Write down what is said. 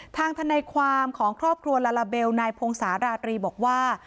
ทนายความของครอบครัวลาลาเบลนายพงศาลาตรีบอกว่า